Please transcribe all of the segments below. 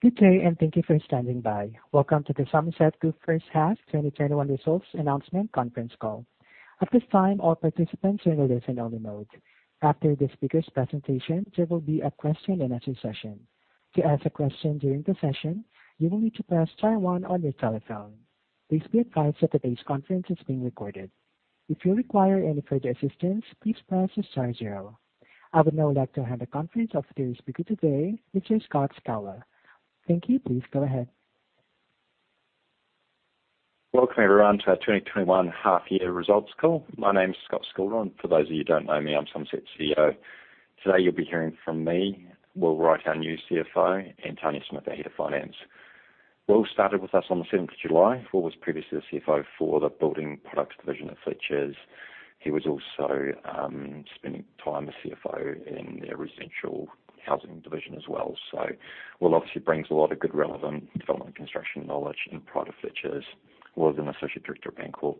Good day, and thank you for standing by. Welcome to the Summerset Group First Half 2021 Results Announcement Conference Call. At this time, all participants are in a listen-only mode. After the speakers' presentation, there will be a question-and-answer session. To ask a question during the session, you will need to press star one on your telephone. Please be advised that today's conference is being recorded. If you require any further assistance, please press star zero. I would now like to hand the conference over to the speaker today, Mr. Scott Scoullar. Thank you. Please go ahead. Welcome, everyone, to our 2021 half-year results call. My name is Scott Scoullar. For those of you who don't know me, I'm Summerset CEO. Today, you'll be hearing from me, Will Wright, our new CFO, and Tania Smith, our head of finance. Will started with us on the seventh of July. Will was previously the CFO for the Building Products division at Fletcher's. He was also spending time as CFO in their residential housing division as well. Will obviously brings a lot of good relevant development and construction knowledge in pride of Fletcher's. Will is an associate director of Bancorp.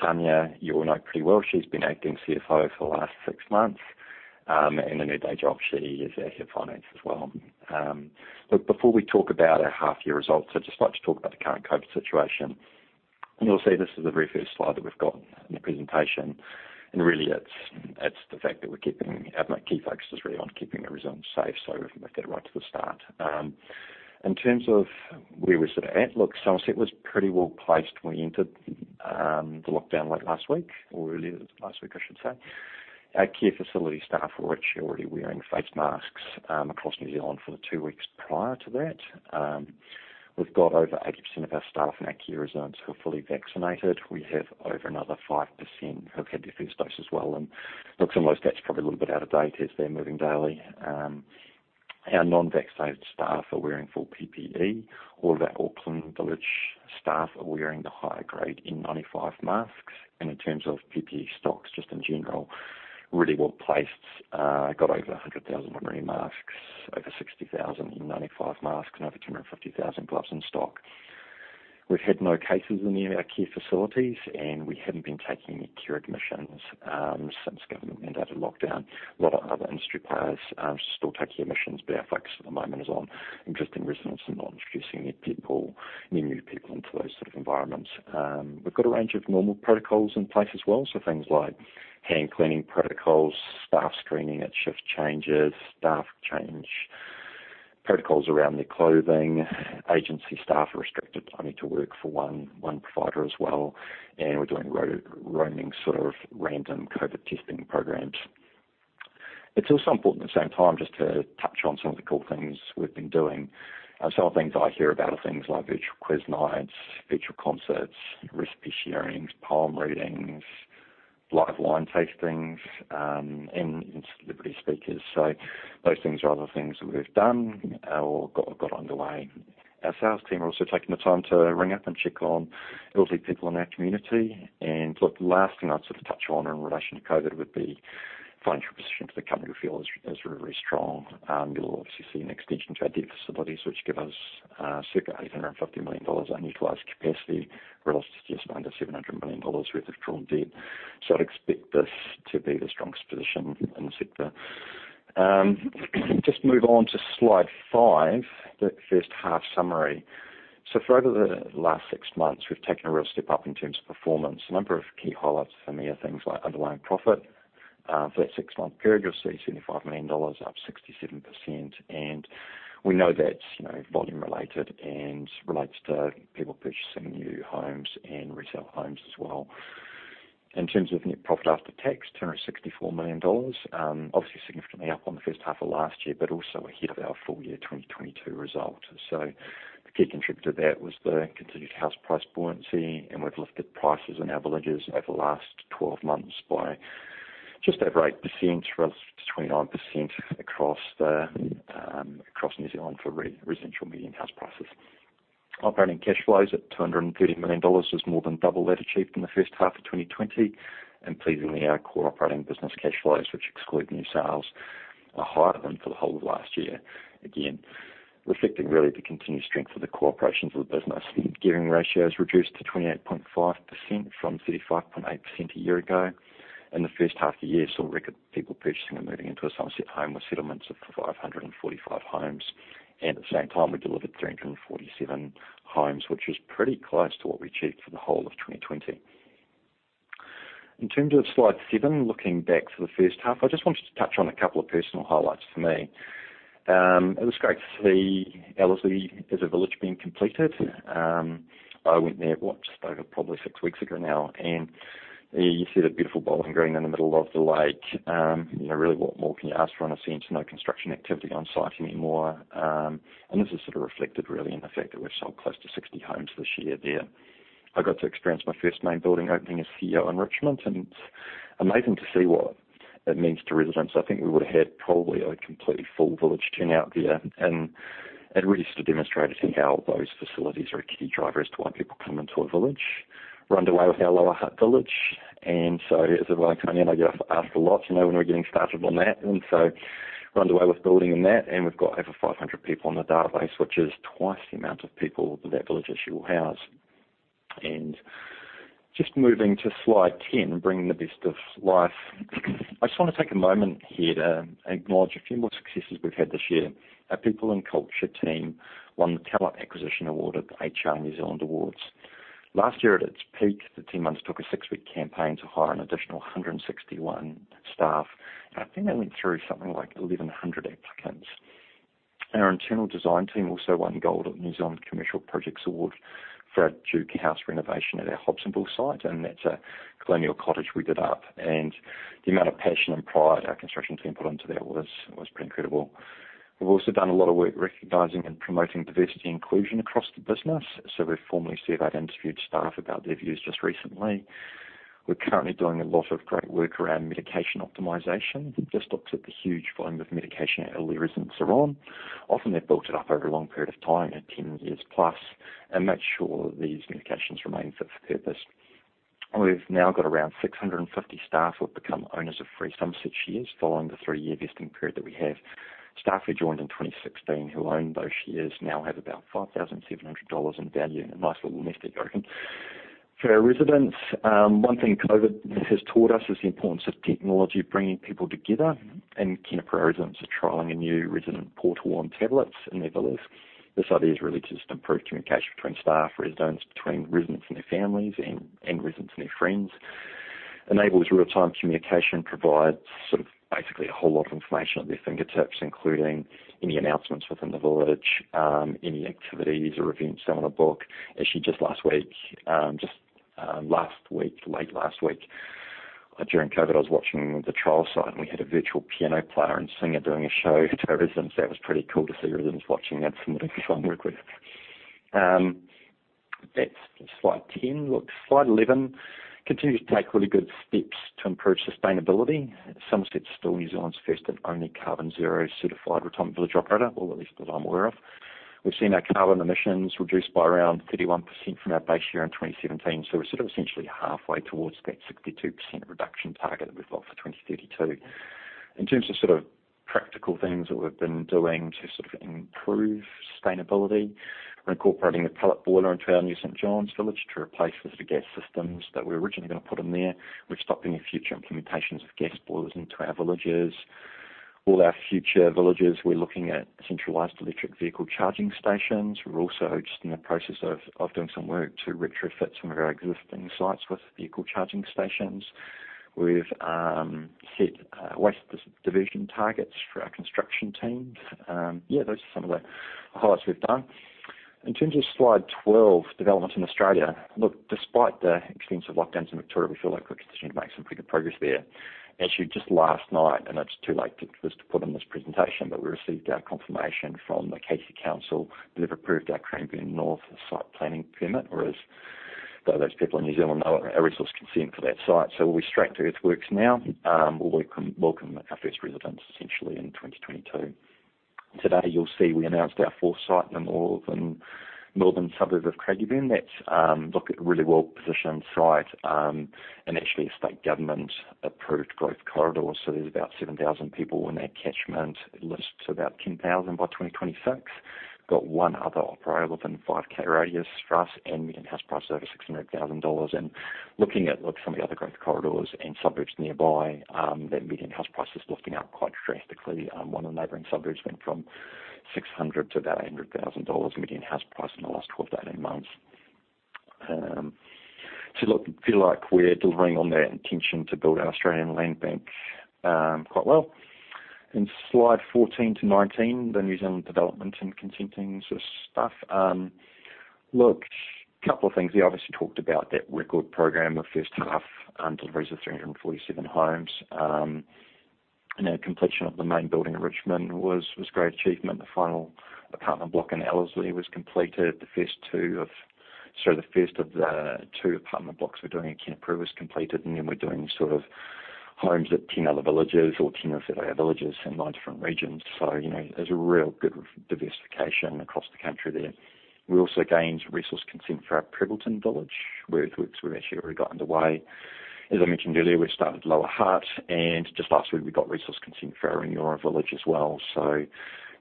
Tania, you will know pretty well. She's been acting CFO for the last six months. In her day job, she is our head of finance as well. Before we talk about our half-year results, I'd just like to talk about the current COVID situation. You'll see this is the very first slide that we've got in the presentation. Really it's the fact that our key focus is really on keeping the residents safe, so we make that right to the start. In terms of where we're sort of at, look, Summerset was pretty well-placed when we entered the lockdown late last week, or earlier last week, I should say. Our care facility staff were actually already wearing face masks across New Zealand for the two weeks prior to that. We've got over 80% of our staff in our care residents who are fully vaccinated. We have over another 5% who've had their first dose as well. Look, some of those stats are probably a little bit out of date as they're moving daily. Our non-vaccinated staff are wearing full PPE. All of our Auckland village staff are wearing the higher grade N95 masks. In terms of PPE stocks, just in general, really well-placed. Got over 100,000 ordinary masks, over 60,000 N95 masks, and over 250,000 gloves in stock. We've had no cases in any of our care facilities, and we haven't been taking any care admissions since government-mandated lockdown. A lot of other industry players are still taking admissions, but our focus at the moment is on existing residents and not introducing any new people into those sort of environments. We've got a range of normal protocols in place as well. Things like hand cleaning protocols, staff screening at shift changes, staff change protocols around their clothing. Agency staff are restricted only to work for one provider as well. We're doing roaming sort of random COVID testing programs. It's also important at the same time just to touch on some of the cool things we've been doing. Some of the things I hear about are things like virtual quiz nights, virtual concerts, recipe sharing, poem readings, live wine tastings, and celebrity speakers. Those things are other things that we've done or got underway. Our sales team are also taking the time to ring up and check on elderly people in our community. Look, the last thing I'd sort of touch on in relation to COVID would be the financial position for the company feels is very strong. You'll obviously see an extension to our debt facilities, which give us circa 850 million dollars unutilized capacity, relative to just under 700 million dollars worth of drawn debt. I'd expect this to be the strongest position in the sector. Just move on to slide five, the first half summary. For over the last six months, we've taken a real step up in terms of performance. A number of key highlights for me are things like underlying profit. For that six-month period, you'll see 75 million dollars, up 67%, and we know that's volume related and relates to people purchasing new homes and resale homes as well. In terms of net profit after tax, 264 million dollars. Obviously, significantly up on the first half of last year, but also ahead of our full year 2022 result. The key contributor to that was the continued house price buoyancy, and we've lifted prices in our villages over the last 12 months by just over 8%, relative to 29% across New Zealand for residential median house prices. Operating cash flows at 230 million dollars was more than double that achieved in the first half of 2020. Pleasingly, our core operating business cash flows, which exclude new sales, are higher than for the whole of last year. Again, reflecting really the continued strength of the core operations of the business. Gearing ratios reduced to 28.5% from 35.8% a year ago. In the first half of the year, we saw record people purchasing and moving into a Summerset home, with settlements of 545 homes. At the same time, we delivered 347 homes, which is pretty close to what we achieved for the whole of 2020. In terms of slide seven, looking back for the first half, I just wanted to touch on a couple of personal highlights for me. It was great to see Ellerslie as a village being completed. I went there, just over probably six weeks ago now, and you see the beautiful bowling green in the middle of the lake. Really, what more can you ask for, honestly? There's no construction activity on-site anymore. This is sort of reflected really in the fact that we've sold close to 60 homes this year there. I got to experience my first main building opening as CEO in Richmond, and it's amazing to see what it means to residents. I think we would've had probably a completely full village turn out there, and it really just demonstrated how those facilities are a key driver as to why people come into a village. We're underway with our Lower Hutt village. As everyone, Tania and I get asked a lot, when are we getting started on that? We're underway with building on that, and we've got over 500 people on the database, which is twice the amount of people that that village actually will house. Just moving to slide 10, bringing the best of life. I just want to take a moment here to acknowledge a few more successes we've had this year. Our people and culture team won the Talent Acquisition Award at the NZ HR Awards. Last year at its peak, the team took a six-week campaign to hire an additional 161 staff. I think they went through something like 1,100 applicants. Our internal design team also won Gold at the New Zealand Commercial Project Awards for our Duke House renovation at our Hobsonville site, and that's a colonial cottage we did up. The amount of passion and pride our construction team put into that was pretty incredible. We've also done a lot of work recognizing and promoting diversity and inclusion across the business. We formally surveyed and interviewed staff about their views just recently. We're currently doing a lot of great work around medication optimization that just looks at the huge volume of medication our elderly residents are on. Often, they've built it up over a long period of time, 10 years+, and make sure these medications remain fit for purpose. We've now got around 650 staff who have become owners of free Summerset shares following the three-year vesting period that we have. Staff who joined in 2016, who own those shares now have about 5,700 dollars in value in a nice little nest egg, I reckon. For our residents, one thing COVID has taught us is the importance of technology bringing people together. Kenepuru residents are trialing a new resident portal on tablets in their villages. This idea is really to just improve communication between staff, residents, between residents and their families and residents and their friends. It enables real-time communication, provides sort of basically a whole lot of information at their fingertips, including any announcements within the village, any activities or events that are on a book. Actually, just late last week during COVID, I was watching the trial site. We had a virtual piano player and singer doing a show to residents. That was pretty cool to see residents watching that, some of the people I work with. That's slide 10. Look, slide 11 continues to take really good steps to improve sustainability. Summerset is still New Zealand's first and only carbon zero certified retirement village operator, or at least that I'm aware of. We've seen our carbon emissions reduced by around 31% from our base year in 2017. We're sort of essentially halfway towards that 62% reduction target that we've got for 2022. In terms of sort of practical things that we've been doing to sort of improve sustainability. We're incorporating a pellet boiler into our new St Johns village to replace the gas systems that we were originally going to put in there. We're stopping the future implementations of gas boilers into our villages. All our future villages, we're looking at centralized electric vehicle charging stations. We're also just in the process of doing some work to retrofit some of our existing sites with vehicle charging stations. We've hit waste division targets for our construction teams. Yeah, those are some of the highlights we've done. In terms of slide 12, developments in Australia. Look, despite the extensive lockdowns in Victoria, we feel like we're continuing to make some pretty good progress there. Actually, just last night, and it's too late for us to put in this presentation, but we received our confirmation from the City of Casey that they've approved our Craigieburn North site planning permit, or as those people in New Zealand know it, our resource consent for that site. We'll be straight to earthworks now. We'll welcome our first residents essentially in 2022. Today, you'll see we announced our fourth site in the northern suburb of Craigieburn. That's, look, a really well-positioned site, and actually a state government approved growth corridor. There's about 7,000 people in that catchment. It lists about 10,000 by 2026. Got one other operator within a 5 km radius for us, median house prices over NZD 600,000. Looking at some of the other growth corridors and suburbs nearby, their median house price is lifting up quite drastically. One of the neighboring suburbs went from 600,000 to about 800,000 dollars median house price in the last 12 to 18 months. Look, feel like we're delivering on that intention to build our Australian land bank quite well. In slide 14 to 19, the New Zealand development and consenting sort of stuff. Look, couple of things. We obviously talked about that record program of first half deliveries of 347 homes. Our completion of the main building in Richmond was a great achievement. The final apartment block in Ellerslie was completed. The first of the two apartment blocks we're doing in Kenepuru was completed, and then we're doing sort of homes at 10 other villages or 10 of our villages in nine different regions. There's a real good diversification across the country there. We also gained resource consent for our Prebbleton village, where earthworks were actually already got underway. As I mentioned earlier, we've started Lower Hutt, and just last week, we got resource consent for our village as well.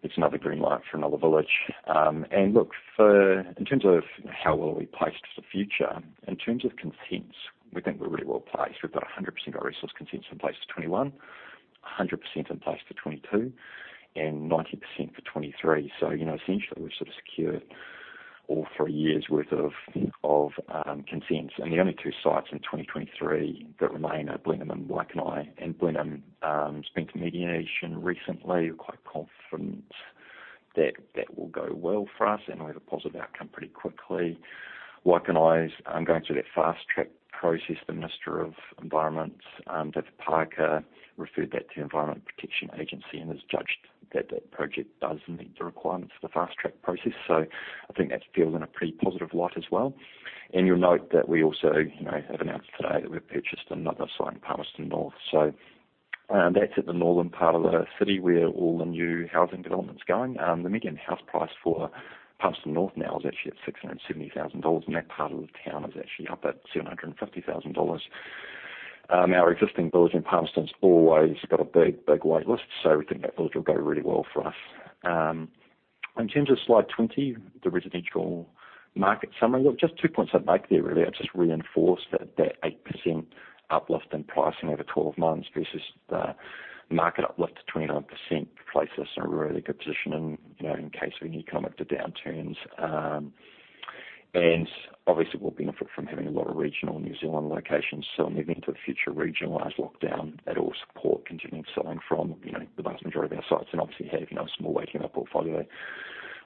It's another green light for another village. Look, in terms of how well we're placed for the future, in terms of consents, we think we're really well-placed. We've got 100% of our resource consents in place for 2021, 100% in place for 2022, and 90% for 2023. Essentially, we've sort of secured all three years' worth of consents, and the only two sites in 2023 that remain are Blenheim and Waikanae. Blenheim's been to mediation recently. We're quite confident that that will go well for us and we have a positive outcome pretty quickly. Waikanae's going through that fast track process. The Minister for the Environment, David Parker, referred that to Environmental Protection Authority and has judged that that project does meet the requirements for the fast track process. I think that's viewed in a pretty positive light as well. You'll note that we also have announced today that we've purchased another site in Palmerston North. That's at the northern part of the city where all the new housing development's going. The median house price for Palmerston North now is actually at 670,000 dollars, and that part of the town is actually up at 750,000 dollars. Our existing village in Palmerston's always got a big wait list, so we think that village will go really well for us. In terms of slide 20, the residential market summary. Look, just two points I'd make there, really. I'd just reinforce that that 8% uplift in pricing over 12 months versus the market uplift of 29% places us in a really good position in case we need to come up to downturns. Obviously, we'll benefit from having a lot of regional New Zealand locations. In the event of a future regionalized lockdown, that will support continued selling from the vast majority of our sites and obviously have a small weighting of our portfolio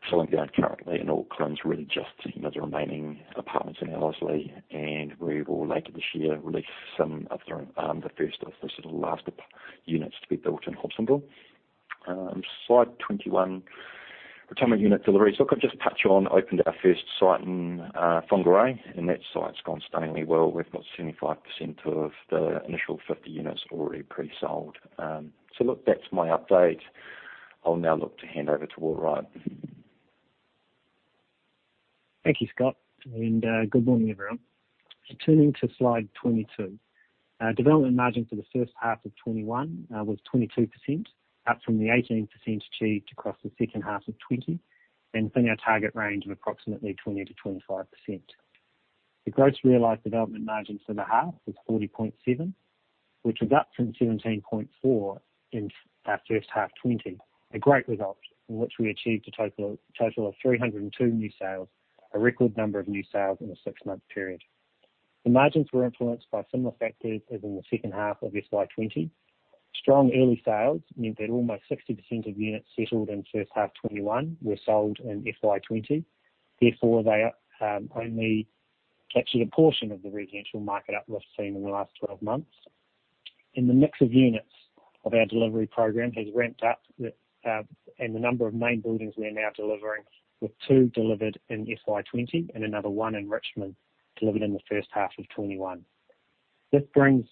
selling down currently in Auckland's really just the remaining apartments in Ellerslie. We will, later this year, release some of the first of those little last units to be built in Hobsonville. Slide 21, retirement unit deliveries. Look, I've just touched on, opened our first site in Whangārei, that site's gone extremely well. We've got 75% of the initial 50 units already pre-sold. Look, that's my update. I'll now look to hand over to Will Wright. Thank you, Scott, and good morning, everyone. Turning to slide 22. Development margin for first half 2021 was 22%, up from the 18% achieved across the second half of 2020 and within our target range of approximately 20%-25%. The gross realized development margins for the half was 40.7%, which was up from 17.4% in our first half 2020, a great result in which we achieved a total of 302 new sales, a record number of new sales in a six-month period. The margins were influenced by similar factors as in the second half of FY2020. Strong early sales meant that almost 60% of units settled in first half 2021 were sold in FY2020. Therefore, they only captured a portion of the residential market uplift seen in the last 12 months. The mix of units of our delivery program has ramped up, and the number of main buildings we're now delivering, with two delivered in FY2020 and another one in Richmond delivered in first half 2021. This brings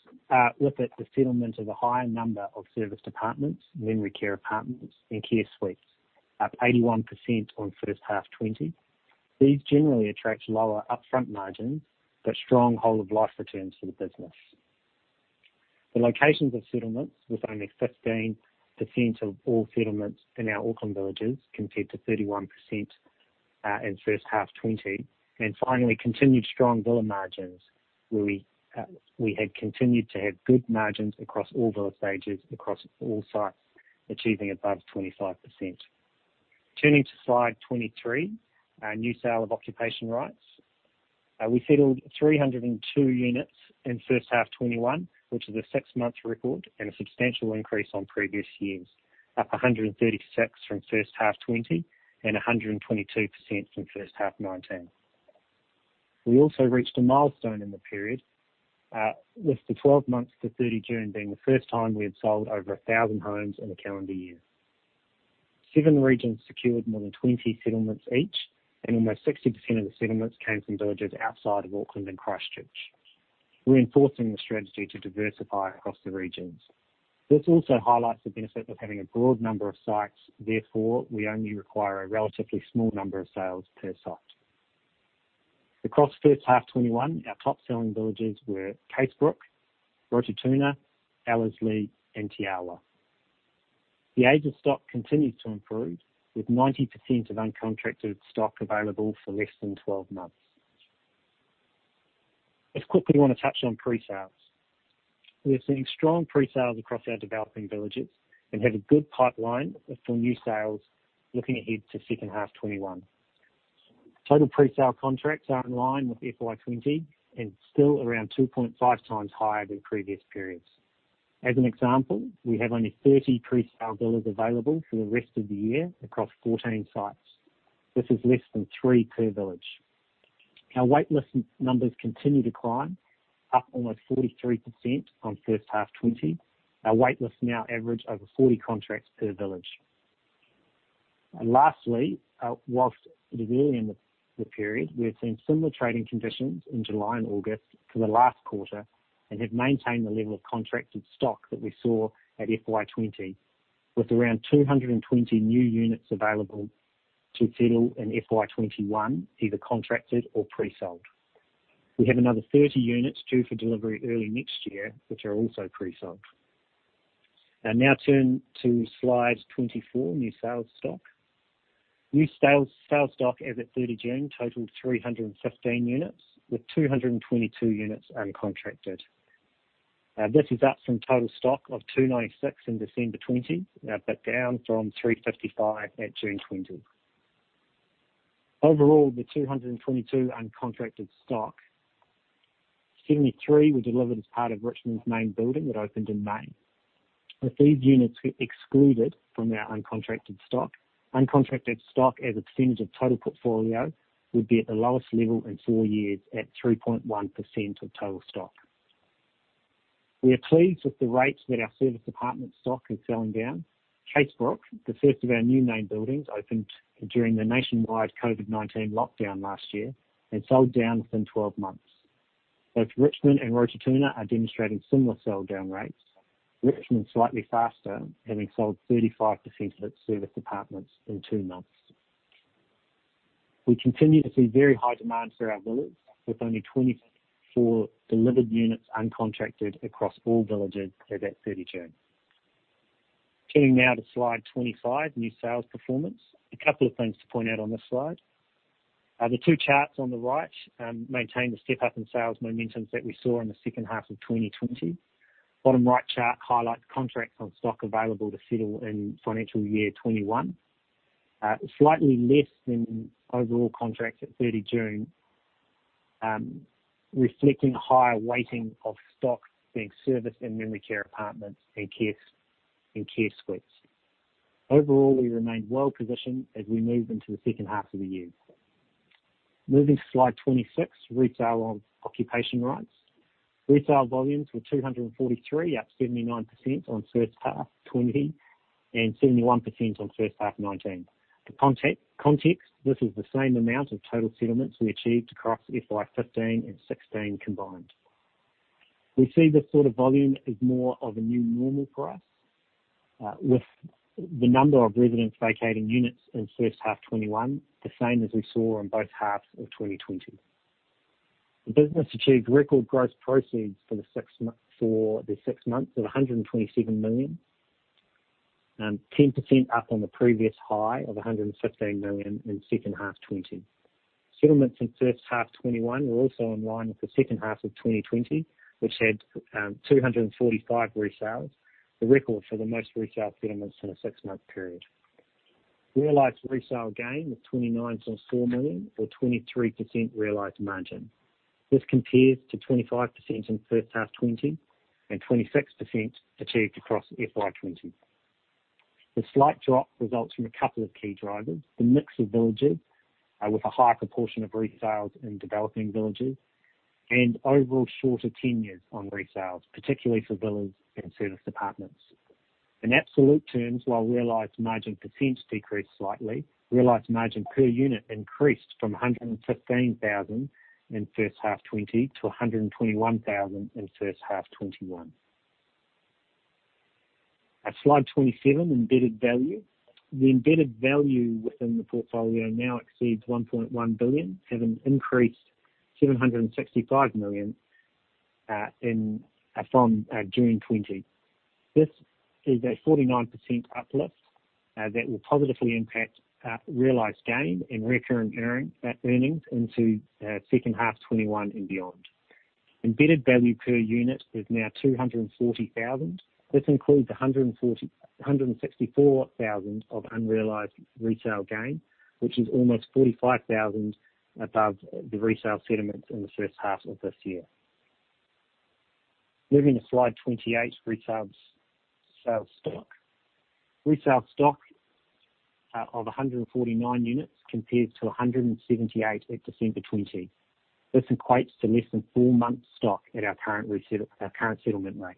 with it the settlement of a higher number of serviced apartments, memory care apartments, and care suites, up 81% on first half 2020. These generally attract lower upfront margins but strong whole-of-life returns for the business. The locations of settlements, with only 15% of all settlements in our Auckland villages, compared to 31% in first half 2020. Finally, continued strong villa margins, where we had continued to have good margins across all villa stages across all sites, achieving above 25%. Turning to Slide 23, new sale of occupation rights. We settled 302 units in first half 2021, which is a six-month record and a substantial increase on previous years, up 136 from first half 2020 and 122% from first half 2019. We also reached a milestone in the period, with the 12 months to June 30th being the first time we had sold over 1,000 homes in a calendar year. Seven regions secured more than 20 settlements each, and almost 60% of the settlements came from villages outside of Auckland and Christchurch, reinforcing the strategy to diversify across the regions. This also highlights the benefit of having a broad number of sites. Therefore, we only require a relatively small number of sales per site. Across first half 2021, our top-selling villages were Casebrook, Rototuna, Ellerslie, and Te Awa. The age of stock continues to improve, with 90% of uncontracted stock available for less than 12 months. As quick, we want to touch on pre-sales. We are seeing strong pre-sales across our developing villages and have a good pipeline for new sales looking ahead to second half 2021. Total pre-sale contracts are in line with FY2020 and still around 2.5x higher than previous periods. As an example, we have only 30 pre-sale villas available for the rest of the year across 14 sites. This is less than three per village. Our wait list numbers continue to climb, up almost 43% on first half 2020. Our wait lists now average over 40 contracts per village. Lastly, whilst it is early in the period, we have seen similar trading conditions in July and August for the last quarter and have maintained the level of contracted stock that we saw at FY2020, with around 220 new units available to settle in FY2021, either contracted or pre-sold. We have another 30 units due for delivery early next year, which are also pre-sold. I now turn to slide 24, new sales stock. New sales stock as at 30 June totaled 315 units, with 222 units uncontracted. This is up from total stock of 296 in December 2020, but down from 355 at June 2020. Overall, the 222 uncontracted stock, 73 were delivered as part of Richmond's main building that opened in May. If these units were excluded from our uncontracted stock, uncontracted stock as a percentage of total portfolio would be at the lowest level in four years at 3.1% of total stock. We are pleased with the rates that our service department stock is selling down. Casebrook, the first of our new main buildings, opened during the nationwide COVID-19 lockdown last year and sold down within 12 months. Both Richmond and Rototuna are demonstrating similar sell-down rates, Richmond slightly faster, having sold 35% of its service departments in two months. We continue to see very high demand for our villages, with only 24 delivered units uncontracted across all villages as at 30 June. Turning now to slide 25, new sales performance. A couple of things to point out on this slide. The two charts on the right maintain the step-up in sales momentums that we saw in the second half of 2020. Bottom right chart highlights contracts on stock available to settle in financial year 2021. Slightly less than overall contracts at 30 June, reflecting a higher weighting of stock being serviced in memory care apartments and care suites. Overall, we remain well-positioned as we move into the second half of the year. Moving to slide 26, resale on occupation rights. Resale volumes were 243, up 79% on first half 2020 and 71% on first half 2019. For context, this is the same amount of total settlements we achieved across FY2015 and FY2016 combined. We see this sort of volume as more of a new normal for us, with the number of residents vacating units in first half 2021, the same as we saw on both halves of 2020. The business achieved record gross proceeds for the six months at 127 million, 10% up on the previous high of 115 million in second half 2020. Settlements in first half 2021 were also in line with the second half of 2020, which had 245 resales, the record for the most resale settlements in a six-month period. Realized resale gain was 29.4 million or 23% realized margin. This compares to 25% in first half 2020 and 26% achieved across FY2020. The slight drop results from a couple of key drivers. The mix of villages, with a higher proportion of resales in developing villages and overall shorter tenures on resales, particularly for villas and service apartments. In absolute terms, while realized margin % decreased slightly, realized margin per unit increased from 115,000 in first half 2020 to 121,000 in first half 2021. At slide 27, embedded value. The embedded value within the portfolio now exceeds 1.1 billion, having increased 765 million from June 2020. This is a 49% uplift that will positively impact realized gain and recurring earnings into second half 2021 and beyond. Embedded value per unit is now 240,000. This includes 164,000 of unrealized resale gain, which is almost 45,000 above the resale settlements in the first half of this year. Moving to slide 28, resale stock. Resale stock of 149 units compares to 178 at December 2020. This equates to less than four months' stock at our current settlement rate.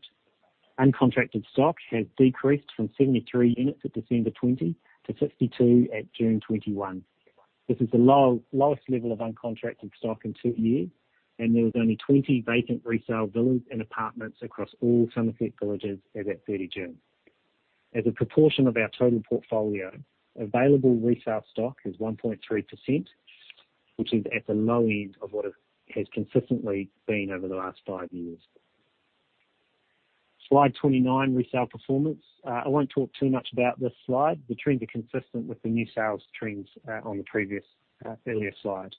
Uncontracted stock has decreased from 73 units at December 2020 to 62 at June 2021. This is the lowest level of uncontracted stock in two years, and there was only 20 vacant resale villas and apartments across all Summerset villages as at 30 June. As a proportion of our total portfolio, available resale stock is 1.3%, which is at the low end of what it has consistently been over the last five years. Slide 29, resale performance. I won't talk too much about this slide. The trends are consistent with the new sales trends on the previous, earlier slide.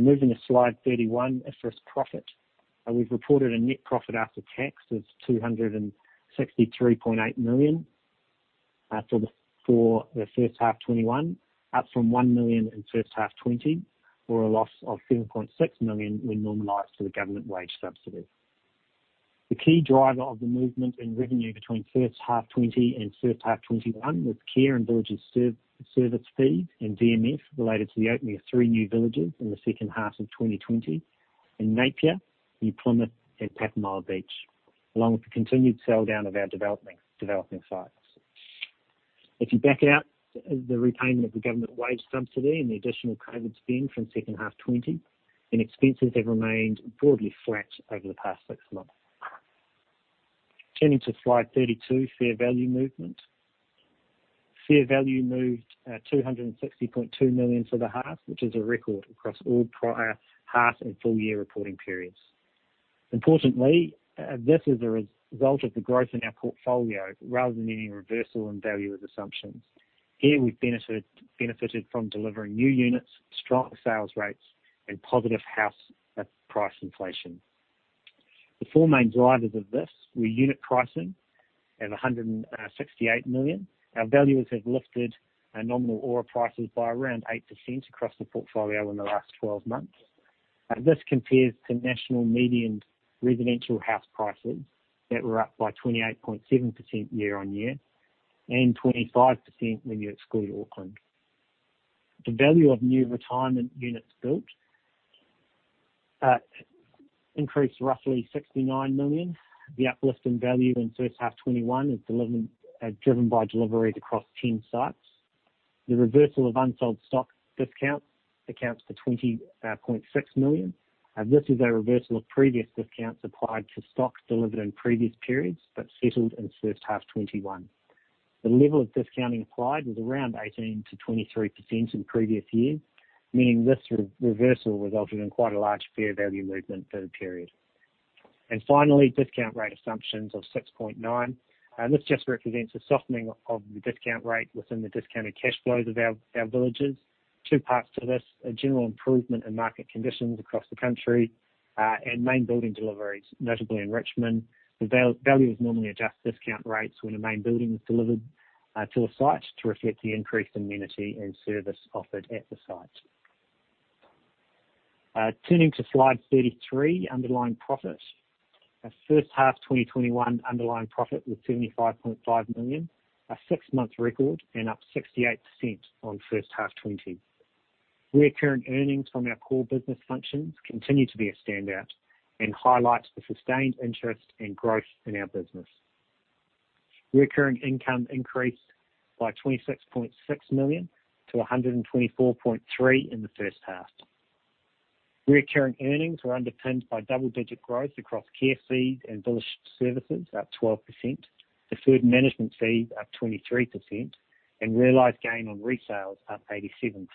Moving to slide 31, our first profit. We've reported a net profit after tax of 263.8 million for the first half 2021, up from 1 million in first half 2020 or a loss of 7.6 million when normalized to the government wage subsidy. The key driver of the movement in revenue between first half 2020 and first half 2021 was care and village service fees and DMFs related to the opening of three new villages in the second half of 2020 in Napier, New Plymouth and Pāpāmoa Beach, along with the continued sell-down of our developing sites. If you back it out, the repayment of the government wage subsidy and the additional COVID-19 spend from second half 2020 and expenses have remained broadly flat over the past six months. Turning to slide 32, fair value movement. Fair value moved 260.2 million for the half, which is a record across all prior half and full-year reporting periods. Importantly, this is a result of the growth in our portfolio rather than any reversal in value of assumptions. Here we benefited from delivering new units, strong sales rates and positive house price inflation. The four main drivers of this were unit pricing at 168 million. Our valuers have lifted nominal ORA prices by around 8% across the portfolio in the last 12 months. This compares to national median residential house prices that were up by 28.7% year-on-year and 25% when you exclude Auckland. The value of new retirement units built increased roughly 69 million. The uplift in value in first half 2021 is driven by deliveries across 10 sites. The reversal of unsold stock discounts accounts for 20.6 million. This is a reversal of previous discounts applied to stock delivered in previous periods but settled in first half 2021. The level of discounting applied was around 18%-23% in the previous year, meaning this reversal resulted in quite a large fair value movement for the period. Finally, discount rate assumptions of 6.9%. This just represents a softening of the discount rate within the discounted cash flows of our villages. Two parts to this, a general improvement in market conditions across the country, and main building deliveries, notably in Richmond. The valuers normally adjust discount rates when a main building is delivered to a site to reflect the increased amenity and service offered at the site. Turning to slide 33, underlying profit. Our first half 2021 underlying profit was 75.5 million, a six-month record and up 68% on first half 2020. Recurring earnings from our core business functions continue to be a standout, highlights the sustained interest and growth in our business. Recurring income increased by 26.6 million to 124.3 in the first half. Recurring earnings were underpinned by double-digit growth across care fees and village services, up 12%, deferred management fees up 23%, and realized gain on resales up 87%.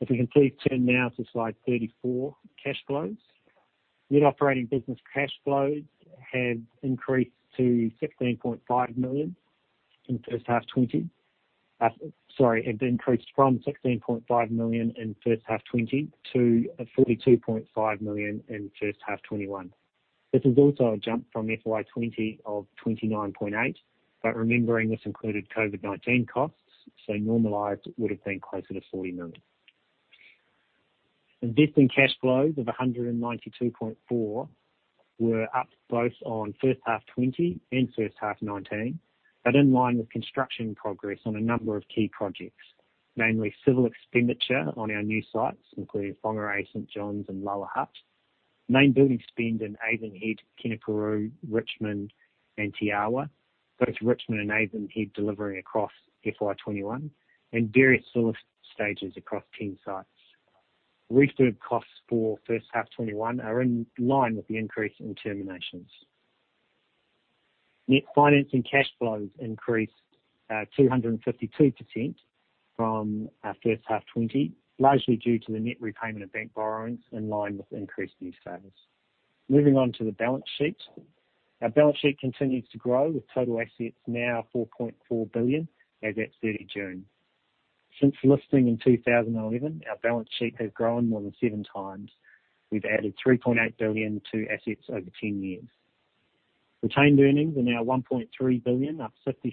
If we can please turn now to slide 34, cash flows. Net operating business cash flows have increased to NZD 16.5 million in first half 2020. Have increased from 16.5 million in first half 2020 to 42.5 million in first half 2021. This is also a jump from FY2020 of 29.8, remembering this included COVID-19 costs, so normalized would have been closer to 40 million. Investing cash flows of 192.4 were up both on first half 2020 and first half 2019, in line with construction progress on a number of key projects, namely civil expenditure on our new sites, including Whangārei, St Johns and Lower Hutt, main building spend in Avonhead, Kenepuru, Richmond and Te Awa. Both Richmond and Avonhead delivering across FY2021 and various source stages across 10 sites. Refurb costs for first half 2021 are in line with the increase in terminations. Net financing cash flows increased 252% from our first half 2020, largely due to the net repayment of bank borrowings in line with increased new sales. Moving on to the balance sheet. Our balance sheet continues to grow, with total assets now 4.4 billion as at 30 June. Since listing in 2011, our balance sheet has grown more than seven times. We've added 3.8 billion to assets over 10 years. Retained earnings are now 1.3 billion, up 56%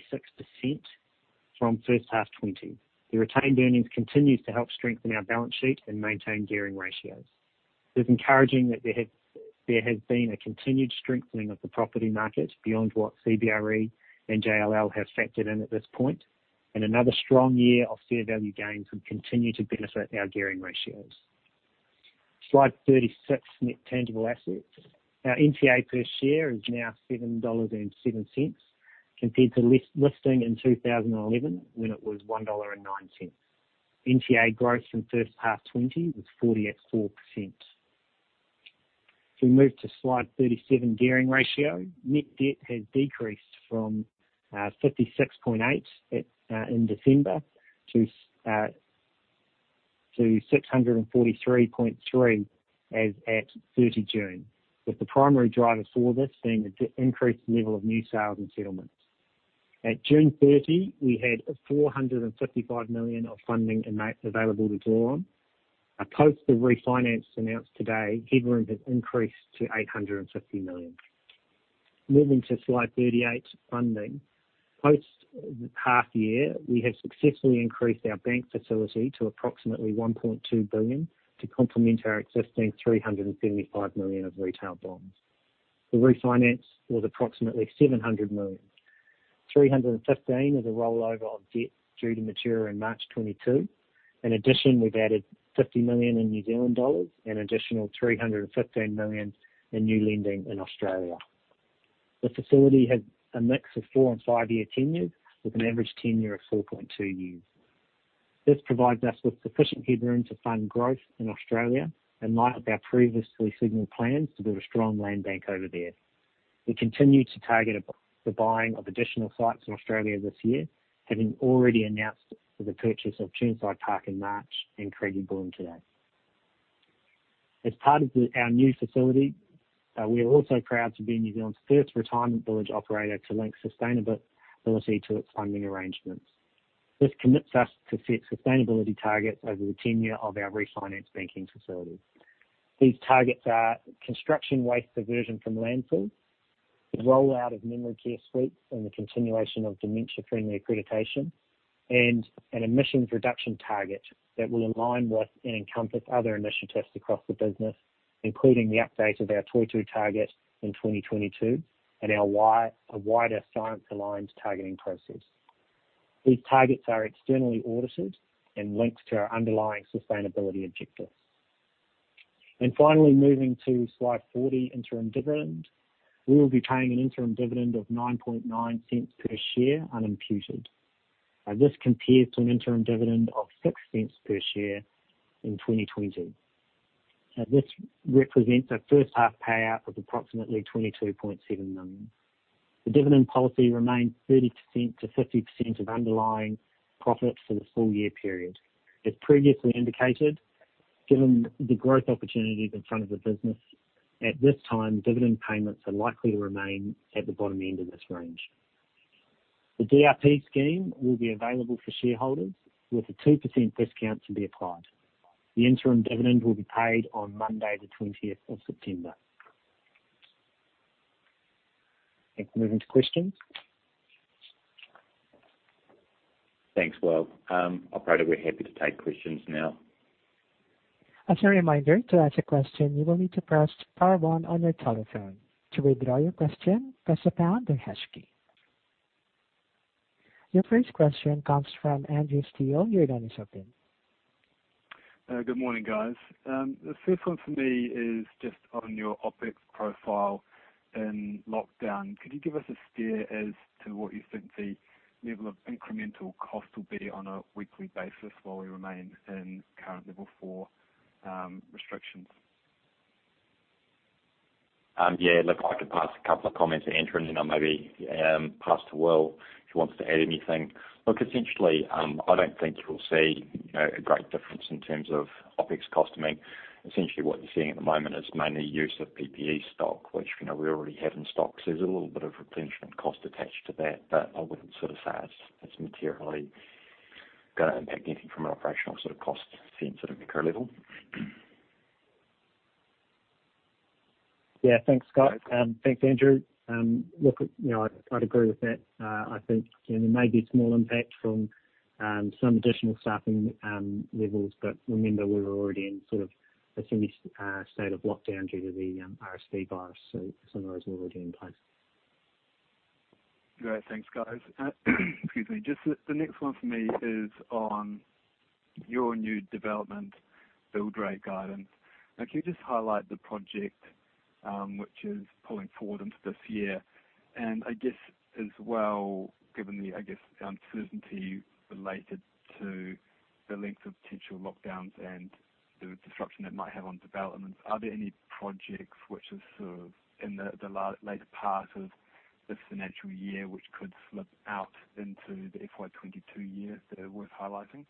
from first half 2020. The retained earnings continues to help strengthen our balance sheet and maintain gearing ratios. It is encouraging that there has been a continued strengthening of the property market beyond what CBRE and JLL have factored in at this point, and another strong year of fair value gains would continue to benefit our gearing ratios. Slide 36, net tangible assets. Our NTA per share is now 7.07 dollars compared to listing in 2011 when it was 1.09 dollar. NTA growth from first half 2020 was 44%. If we move to slide 37, gearing ratio. Net debt has decreased from 56.8 in December to 643.3 as at 30 June, with the primary driver for this being the increased level of new sales and settlements. At June 30, we had 455 million of funding available to draw on. Post the refinance announced today, headroom has increased to 850 million. Moving to slide 38, funding. Post the half year, we have successfully increased our bank facility to approximately 1.2 billion to complement our existing 375 million of retail bonds. The refinance was approximately 700 million. 315 is a rollover of debt due to mature in March 2022. In addition, we've added 50 million in New Zealand dollars and additional 315 million in new lending in Australia. The facility has a mix of four and five-year tenures with an average tenure of 4.2 years. This provides us with sufficient headroom to fund growth in Australia in light of our previously signaled plans to build a strong land bank over there. We continue to target the buying of additional sites in Australia this year, having already announced the purchase of [Chirnside Park] in March and Craigieburn today. As part of our new facility, we are also proud to be New Zealand's first retirement village operator to link sustainability to its funding arrangements. This commits us to set sustainability targets over the tenure of our refinance banking facilities. These targets are construction waste diversion from landfill, the rollout of memory care suites, and the continuation of dementia-friendly accreditation, and an emissions reduction target that will align with and encompass other initiatives across the business, including the update of our Toitū target in 2022 and a wider science-aligned targeting process. These targets are externally audited and linked to our underlying sustainability objectives. Finally, moving to slide 40, interim dividend. We will be paying an interim dividend of 0.099 per share unimputed. This compares to an interim dividend of 0.06 per share in 2020. This represents a first half payout of approximately 22.7 million. The dividend policy remains 30%-50% of underlying profits for the full year period. As previously indicated, given the growth opportunities in front of the business, at this time, dividend payments are likely to remain at the bottom end of this range. The DRP scheme will be available for shareholders with a 2% discount to be applied. The interim dividend will be paid on Monday the 20th of September. Thanks. Moving to questions. Thanks, Will. Operator, we're happy to take questions now. Your first question comes from Andrew Steele, your line is open. Good morning, guys. The first one for me is just on your OpEx profile in lockdown. Could you give us a steer as to what you think the level of incremental cost will be on a weekly basis while we remain in current level four restrictions? Yeah, look, I could pass a couple of comments to Andrew, and then I'll maybe pass to Will if he wants to add anything. Look, essentially, I don't think you will see a great difference in terms of OpEx costing. Essentially what you're seeing at the moment is mainly use of PPE stock, which we already have in stock. There's a little bit of retention and cost attached to that, but I wouldn't say it's materially going to impact anything from an operational sort of cost sense at a macro level. Yeah, thanks, Scott. Thanks, Andrew. Look, I'd agree with that. I think there may be a small impact from some additional staffing levels, but remember, we were already in a semi state of lockdown due to the RSV virus, so some of those were already in place. Great. Thanks, guys. Excuse me. Just the next one for me is on your new development build rate guidance. Can you just highlight the project, which is pulling forward into this year? I guess as well, given the certainty related to the length of potential lockdowns and the disruption it might have on developments, are there any projects which are sort of in the later part of this financial year, which could slip out into the FY2022 year that are worth highlighting?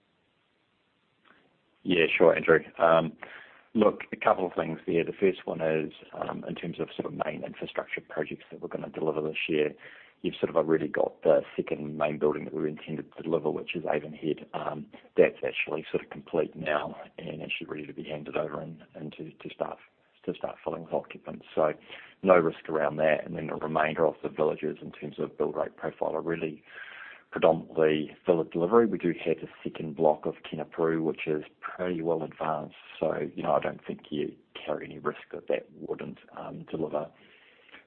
Sure, Andrew. A couple of things there. The first one is, in terms of main infrastructure projects that we're going to deliver this year, you've sort of already got the second main building that we intended to deliver, which is Avonhead. That's actually complete now and actually ready to be handed over and to start filling with occupants. No risk around that. The remainder of the villages in terms of build rate profile are really predominantly villa delivery. We do have the second block of Kenepuru, which is pretty well advanced. I don't think you carry any risk that that wouldn't deliver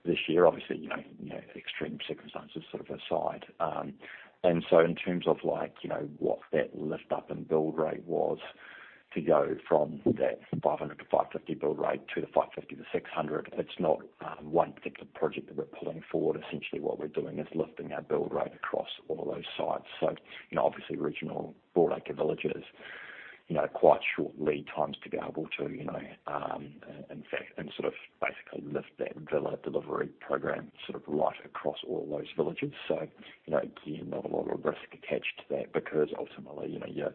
this year. Obviously, extreme circumstances sort of aside. In terms of what that lift up in build rate was to go from that 500 to 550 build rate to the 550 to 600, it's not one particular project that we're pulling forward. Essentially what we're doing is lifting our build rate across all those sites. Obviously regional broadacre Village is quite short lead times to be able to, in fact, and sort of basically lift that villa delivery program right across all those villages. Again, not a lot of risk attached to that because ultimately, you're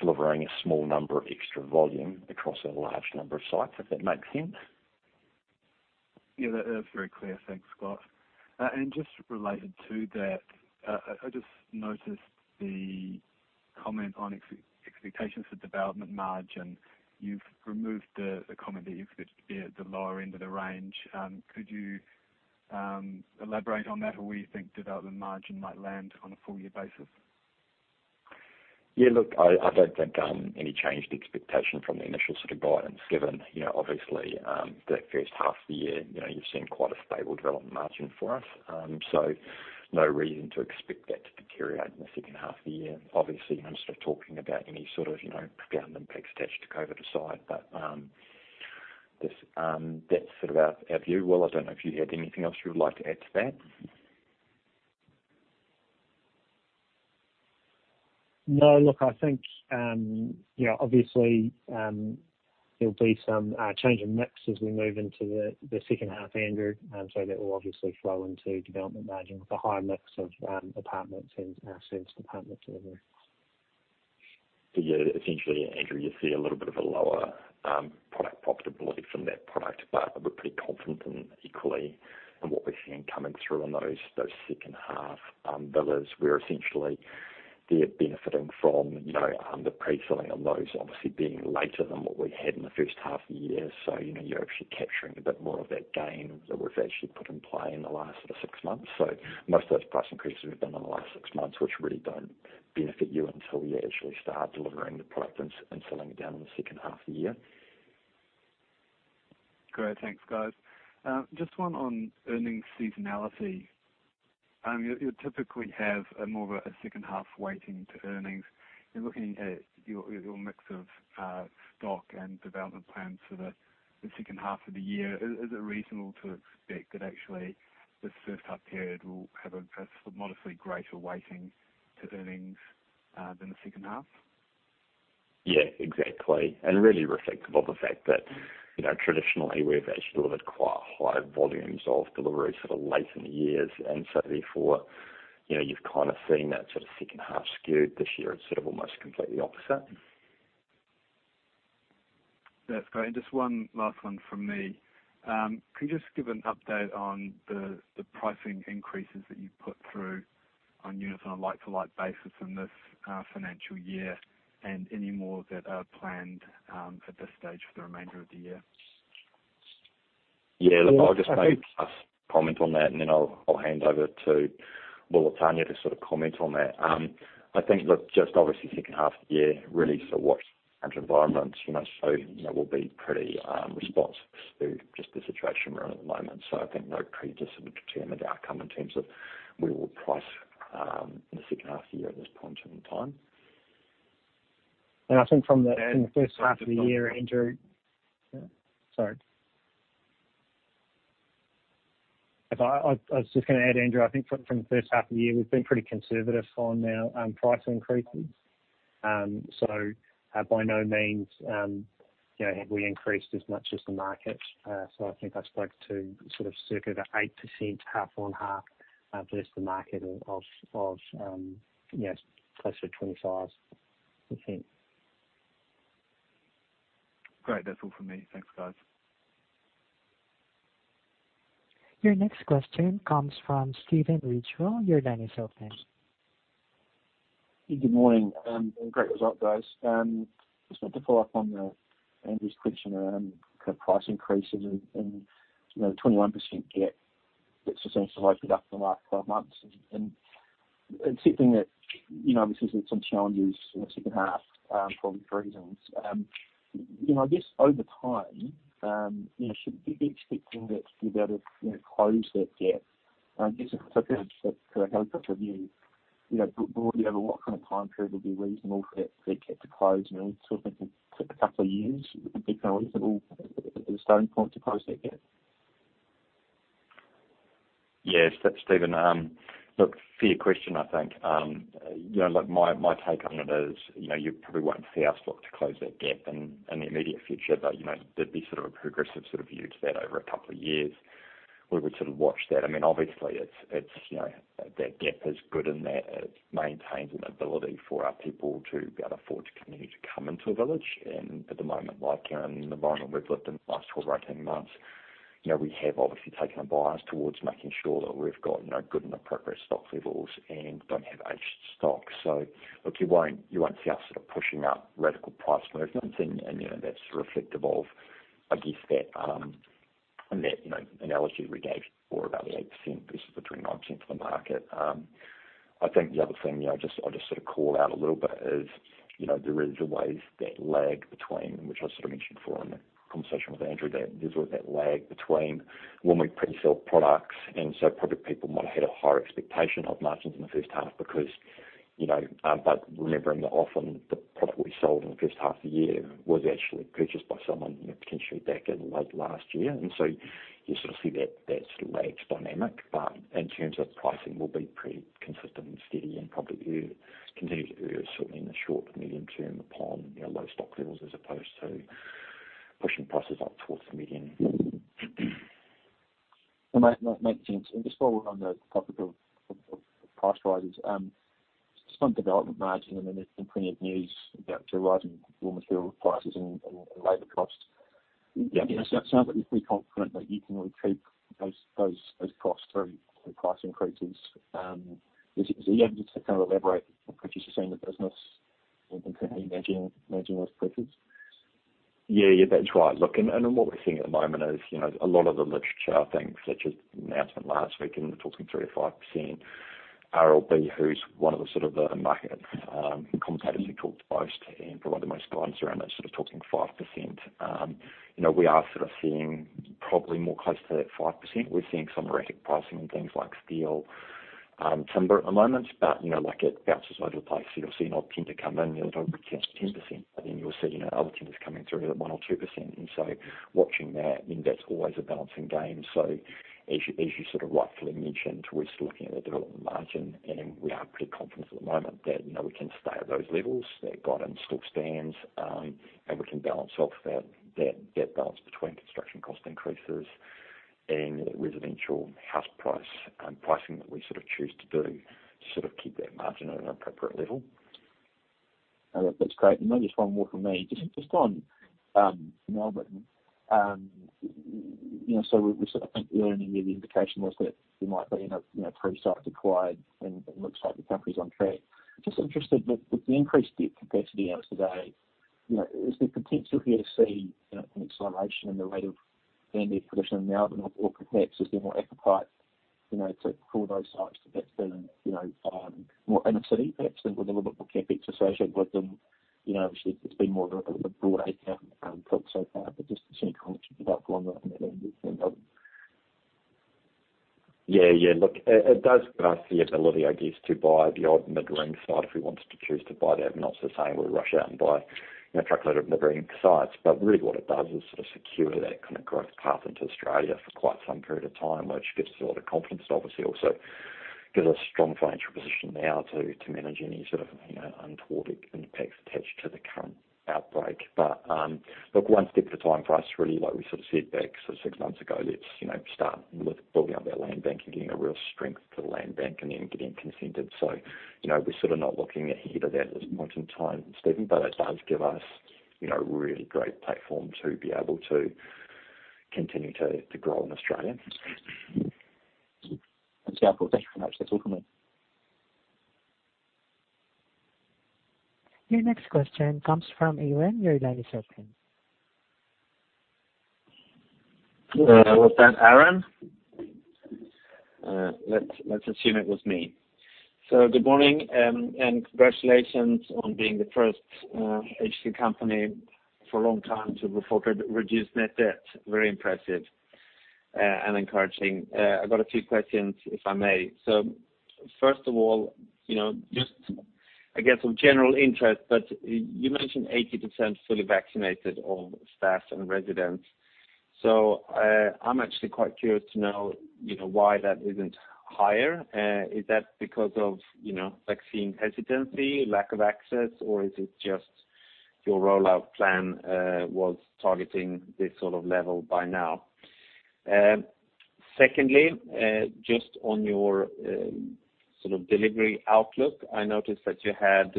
delivering a small number of extra volume across a large number of sites, if that makes sense. Yeah, that's very clear. Thanks, Scott. Just related to that, I just noticed the comment on expectations for development margin. You've removed the comment that you expect to be at the lower end of the range. Could you elaborate on that or where you think development margin might land on a full year basis? Look, I don't think any changed expectation from the initial sort of guidance given, obviously, that first half of the year, you've seen quite a stable development margin for us. No reason to expect that to deteriorate in the second half of the year. Obviously, I'm sort of talking about any sort of profound impact attached to COVID-19 aside. That's sort of our view. Will, I don't know if you had anything else you would like to add to that. I think, obviously, there'll be some change in mix as we move into the second half, Andrew, that will obviously flow into development margin with a higher mix of apartments and our service department delivery. Yeah, essentially, Andrew, you see a little bit of a lower product profitability from that product, but we're pretty confident equally in what we're seeing coming through on those second half villas, where essentially they're benefiting from the pre-selling on those obviously being later than what we had in the first half of the year. You're actually capturing a bit more of that gain that we've actually put in play in the last six months. Most of those price increases have been in the last six months, which really don't benefit you until we actually start delivering the product and selling it down in the second half of the year. Great. Thanks, guys. Just one on earnings seasonality. You typically have more of a second half weighting to earnings. You're looking at your mix of stock and development plans for the second half of the year, is it reasonable to expect that actually this first half period will have a modestly greater weighting to earnings than the second half? Yeah, exactly. Really reflective of the fact that traditionally, we've actually delivered quite high volumes of deliveries late in the years, therefore you've seen that second half skewed. This year it's almost completely opposite. That's great. Just one last one from me. Can you just give an update on the pricing increases that you've put through on units on a like-to-like basis in this financial year and any more that are planned at this stage for the remainder of the year? Look, I'll just make a comment on that and then I'll hand over to Tania to comment on that. I think, look, just obviously second half of the year really sort of watch environment, so we'll be pretty responsive to just the situation we're in at the moment. I think no pre-determined outcome in terms of where we'll price in the second half of the year at this point in time. I think from the first half of the year, Andrew, sorry. I was just going to add, Andrew, I think from the first half of the year, we've been pretty conservative on our price increases. By no means have we increased as much as the market. I think I spoke to sort of circa the 8% half-on-half versus the market of, yes, closer to 25%. Great. That's all from me. Thanks, guys. Your next question comes from Stephen Ridgewell. Your line is open. Good morning, great result, guys. Just wanted to follow up on Andrew's question around price increases and the 21% gap that seems to have opened up in the last 12 months. Accepting that obviously there's some challenges in the second half for obvious reasons. I guess over time, should we be expecting that you'll be able to close that gap? I guess from a sort of a helicopter view, broadly over what kind of time period would be reasonable for that gap to close? Are we talking a couple of years would be reasonable as a starting point to close that gap? Yes. Thanks, Stephen. Look, fair question, I think. My take on it is, you probably won't see us look to close that gap in the immediate future, but there'd be sort of a progressive sort of view to that over a couple of years. We would sort of watch that. Obviously, that gap is good in that it maintains an ability for our people to be able to afford to continue to come into a village. And at the moment, like in the environment we've lived in the last 12 or 18 months, we have obviously taken a bias towards making sure that we've got good and appropriate stock levels and don't have aged stock. Look, you won't see us sort of pushing up radical price movements and that's reflective of, I guess that analogy we gave for about the 8% versus the 29% for the market. I think the other thing I'll just sort of call out a little bit is, there is always that lag between, which I sort of mentioned before in the conversation with Andrew Steele, that there's always that lag between when we pre-sell products. Probably people might have had a higher expectation of margins in the first half. Remembering that often the product we sold in the first half of the year was actually purchased by someone potentially back in late last year. You sort of see that lags dynamic. In terms of pricing, we'll be pretty consistent and steady and probably continue to err certainly in the short to medium term upon our low stock levels as opposed to pushing prices up towards the median. That makes sense. Just while we're on the topic of price rises, some development margin, I mean, there's been plenty of news about the rising raw material prices and labor costs. Yeah. It sounds like you're pretty confident that you can recruit those costs through price increases. Are you able to just elaborate on how you see the business and how you imagine managing those increases? Yeah. That's right. Look, what we're seeing at the moment is a lot of the literature, things such as the announcement last week and talking 3%-5%, RLB, who's one of the sort of the market competitors we talk to most and provide the most guidance around that sort of talking 5%. We are sort of seeing probably more close to that 5%. We're seeing some erratic pricing in things like steel, timber at the moment, but it bounces all over the place. You'll see an uptick come in, you're looking at 10%. You'll see other tenders coming through at 1% or 2%. Watching that, I mean, that's always a balancing game. As you sort of rightfully mentioned, we're still looking at the development margin, and we are pretty confident at the moment that we can stay at those levels. That guidance still stands, we can balance off that balance between construction cost increases and the residential house pricing that we sort of choose to do to keep that margin at an appropriate level. That's great. Just one more from me. Just on Melbourne. We sort of think the only real indication was that there might be pre-sites acquired, and it looks like the company's on track. Just interested with the increased debt capacity out today, is there potential here to see an acceleration in the rate of land acquisition in Melbourne, or perhaps is there more appetite to pull those sites that have been more inner-city, perhaps, and with a little bit more CapEx associated with them? Obviously, it's been more of a broadacre product so far, just seeing how much you can go for on that end with Melbourne. Yeah. Look, it does give us the ability, I guess, to buy the odd mid-ring site if we wanted to choose to buy that. Not to say we'll rush out and buy a truckload of mid-ring sites, really what it does is sort of secure that kind of growth path into Australia for quite some period of time, which gives us a lot of confidence. Obviously, also gives us a strong financial position now to manage any sort of untoward impacts attached to the current outbreak. Look, one step at a time for us, really, like we sort of said back six months ago, let's start with building up our land bank and getting a real strength to the land bank and then getting consented. We're sort of not looking ahead at that point in time, Stephen, but it does give us a really great platform to be able to continue to grow in Australia. That's helpful. Thank you very much. That's all from me. Your next question comes from Aaron. Your line is open. Was that Aaron? Let's assume it was me. Good morning, and congratulations on being the first HC company for a long time to report reduced net debt. Very impressive, and encouraging. I've got a few questions, if I may. First of all, just I guess of general interest, but you mentioned 80% fully vaccinated of staff and residents. I'm actually quite curious to know why that isn't higher. Is that because of vaccine hesitancy, lack of access, or is it just your rollout plan was targeting this sort of level by now? Secondly, just on your sort of delivery outlook, I noticed that you had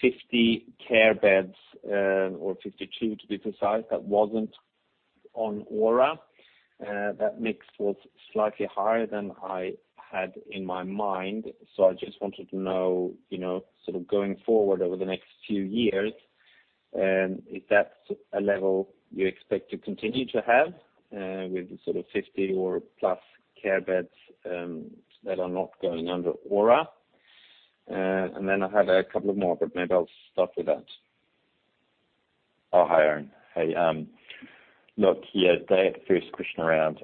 50 care beds, or 52 to be precise, that wasn't on ORA. That mix was slightly higher than I had in my mind. I just wanted to know, sort of going forward over the next few years, is that a level you expect to continue to have, with sort of 50 or plus care beds that are not going under ORA? I have a couple of more, but maybe I'll start with that. Oh, hi, Aaron. Hey. Look, yeah, that first question around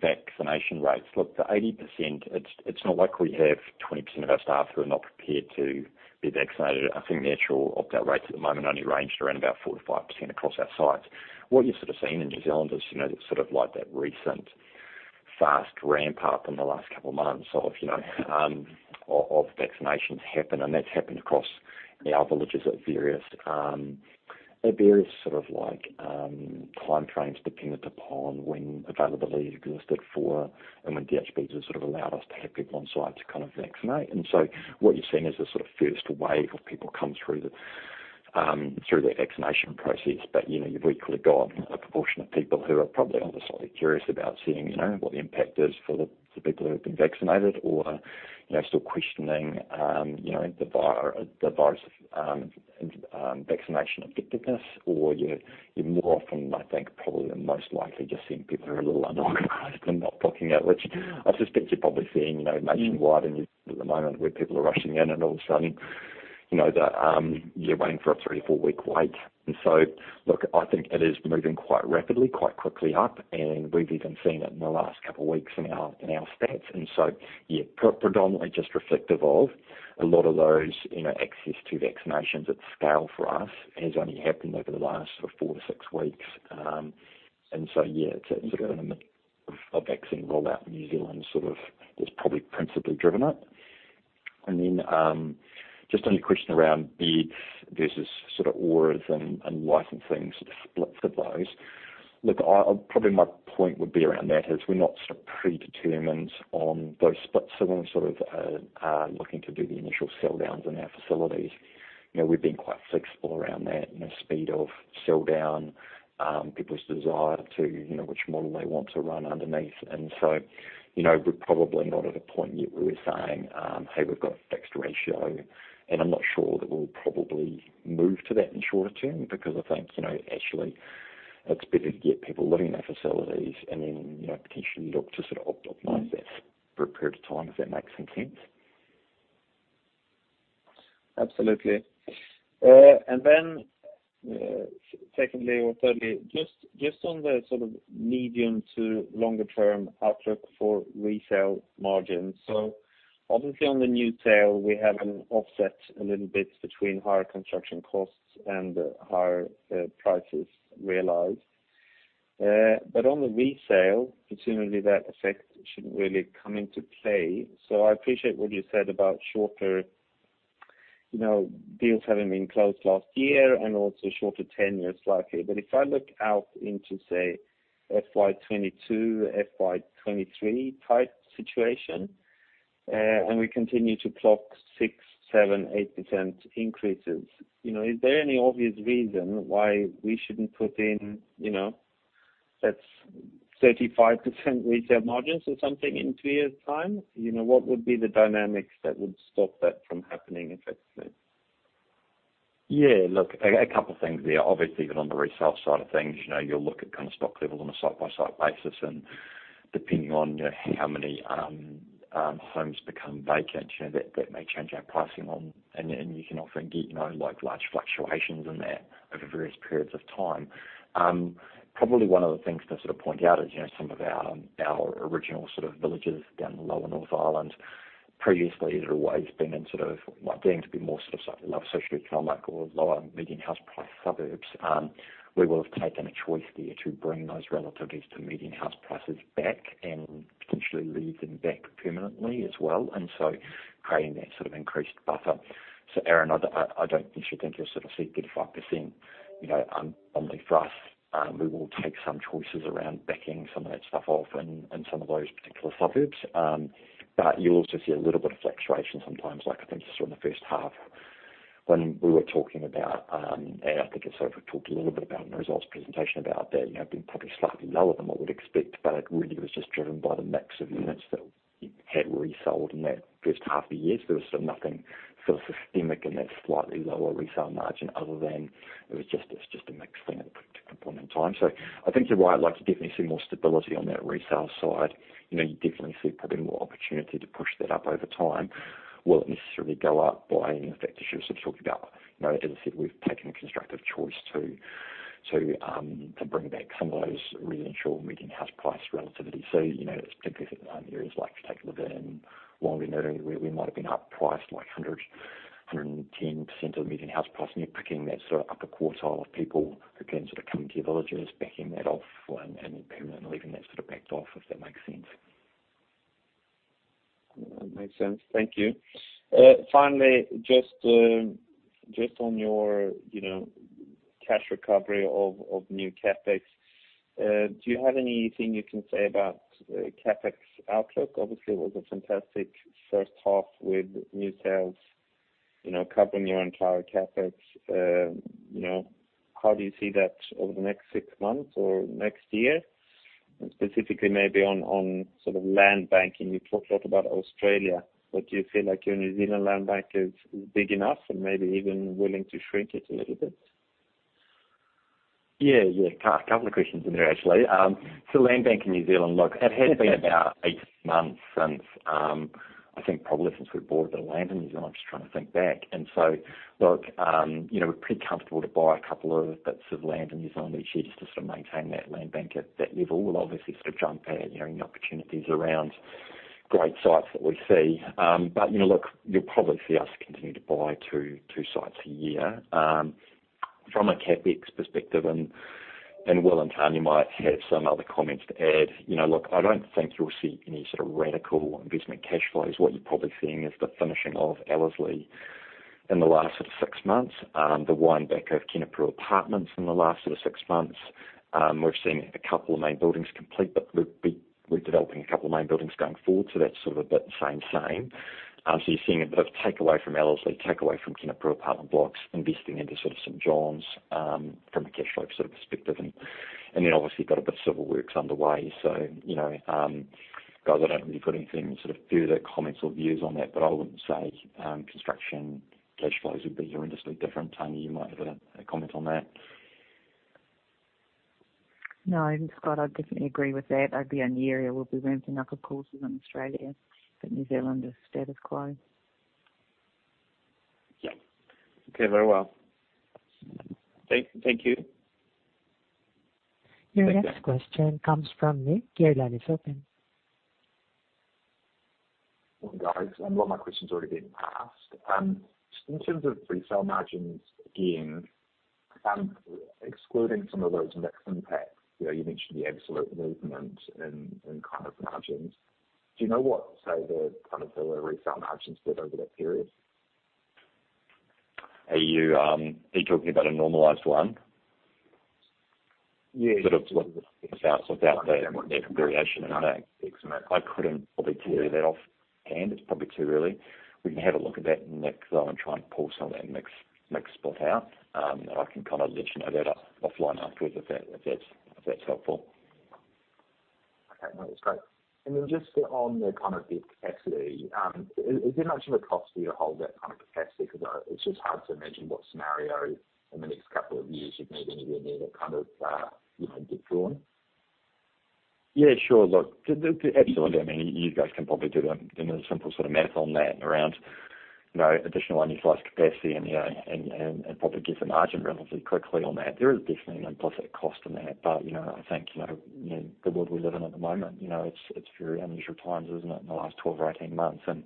vaccination rates. Look, the 80%, it's not like we have 20% of our staff who are not prepared to be vaccinated. I think the actual opt-out rates at the moment only ranged around about 4%-5% across our sites. What you're sort of seeing in New Zealand is sort of like that recent fast ramp-up in the last couple of months of vaccinations happen. That's happened across our villages at various sort of like time frames, dependent upon when availability existed for, and when DHBs have sort of allowed us to have people on site to kind of vaccinate. What you're seeing is the sort of first wave of people come through their vaccination process. We could have got a proportion of people who are probably either slightly curious about seeing what the impact is for the people who have been vaccinated or are still questioning the virus vaccination effectiveness, or you're more often, I think, probably most likely just seeing people who are a little unorganized and not booking it, which I suspect you're probably seeing nationwide at the moment where people are rushing in and all of a sudden you're waiting for a three to four-week wait. Look, I think it is moving quite rapidly, quite quickly up, and we've even seen it in the last couple of weeks in our stats. Yeah, predominantly just reflective of a lot of those access to vaccinations at scale for us has only happened over the last sort of four to six weeks. Yeah, it's in the mid of vaccine rollout in New Zealand has probably principally driven it. Just on your question around beds versus ORAs and licensing splits of those. Probably my point would be around that is we're not predetermined on those splits. When we are looking to do the initial sell downs in our facilities, we've been quite flexible around that in the speed of sell down, people's desire to which model they want to run underneath. We're probably not at a point yet where we're saying, "Hey, we've got a fixed ratio." I'm not sure that we'll probably move to that in shorter term because I think actually it's better to get people living in our facilities and then potentially look to sort of optimize that for a period of time, if that makes any sense. Absolutely. Secondly, or thirdly, just on the sort of medium to longer term outlook for resale margins. Obviously on the new tail, we have an offset a little bit between higher construction costs and higher prices realized. On the resale, presumably that effect shouldn't really come into play. I appreciate what you said about shorter deals having been closed last year and also shorter tenures likely. If I look out into, say, FY2022, FY2023 type situation, and we continue to clock 6%, 7%, 8% increases, is there any obvious reason why we shouldn't put in, that's 35% resale margins or something in two years' time? What would be the dynamics that would stop that from happening if it's there? Yeah, look, a couple of things there. Obviously, even on the resale side of things, you'll look at kind of stock levels on a site by site basis, and depending on Homes become vacant, that may change our pricing on, and you can often get large fluctuations in that over various periods of time. Probably one of the things to sort of point out is some of our original villages down the lower North Island, previously has always been more sort of lower socio-economic or lower median house price suburbs. We will have taken a choice there to bring those relativities to median house prices back and potentially leave them back permanently as well. Creating that sort of increased buffer. Aaron, I don't necessarily think you'll sort of see 35%, only for us. We will take some choices around backing some of that stuff off in some of those particular suburbs. You'll also see a little bit of fluctuation sometimes, like I think you saw in the first half when we were talking about, and I think also we talked a little bit about in the results presentation about that being probably slightly lower than what we'd expect, but it really was just driven by the mix of units that had resold in that first half of the year. It was sort of nothing sort of systemic in that slightly lower resale margin other than it was just a mix thing at that point in time. I think you're right, you definitely see more stability on that resale side. You definitely see probably more opportunity to push that up over time. Will it necessarily go up by any effect as you sort of talked about? No, as I said, we've taken a constructive choice to bring back some of those residential median house price relativities. It's particularly for areas like Te Puke and Whanganui, where we might have been up priced like 110% of the median house price, and you're picking that sort of upper quartile of people who can sort of come into your villages, backing that off and permanently leaving that sort of backed off, if that makes sense. That makes sense. Thank you. Finally, just on your cash recovery of new CapEx. Do you have anything you can say about the CapEx outlook? Obviously, it was a fantastic first half with new sales covering your entire CapEx. How do you see that over the next six months or next year? Specifically maybe on sort of land banking. You talked a lot about Australia, but do you feel like your New Zealand land bank is big enough and maybe even willing to shrink it a little bit? Yeah. A couple of questions in there actually. Land bank in New Zealand, look, it has been about 18 months since, I think probably since we bought a bit of land in New Zealand. I'm just trying to think back. Look, we're pretty comfortable to buy a couple of bits of land in New Zealand each year just to sort of maintain that land bank at that level. We'll obviously sort of jump at any opportunities around great sites that we see. Look, you'll probably see us continue to buy two sites a year. From a CapEx perspective, Will and Tania might have some other comments to add. Look, I don't think you'll see any sort of radical investment cash flows. What you're probably seeing is the finishing of Ellerslie in the last sort of six months. The wind-back of Kenepuru Apartments in the last sort of six months. We've seen a couple of main buildings complete, but we're developing a couple of main buildings going forward, so that's sort of a bit same. You're seeing a bit of takeaway from Ellerslie, takeaway from Kenepuru apartment blocks, investing into sort of St Johns, from a cash flow sort of perspective. Obviously you've got a bit of civil works underway. Guys, I don't really got anything in sort of further comments or views on that, but I wouldn't say construction cash flows would be horrendously different. Tania, you might have a comment on that. No, Scott, I definitely agree with that. I'd be on the area. We'll be ramping up of course in Australia, but New Zealand is status quo. Yeah. Okay. Very well. Thank you. Your next question comes from Nick. Your line is open. Morning, guys. A lot of my questions have already been asked. Just in terms of resale margins again, excluding some of those mix impacts, you mentioned the absolute movement in kind of margins. Do you know what, say the kind of the resale margins did over that period? Are you talking about a normalized one? Yeah. Sort of without the variation in the mix. I couldn't probably tell you that offhand. It's probably too early. We can have a look at that, Nick. I want to try and pull some of that mix spot out. I can kind of let you know that offline afterwards, if that's helpful. Okay. No, that's great. Just on the kind of the capacity. Is there much of a cost for you to hold that kind of capacity? It's just hard to imagine what scenario in the next couple of years you'd need anything near that kind of deep drawn. Yeah, sure. Look, absolutely. I mean, you guys can probably do the simple sort of math on that around additional annualized capacity and probably give some margin relatively quickly on that. There is definitely an implicit cost in that. I think the world we live in at the moment, it's very unusual times, isn't it, in the last 12 or 18 months, and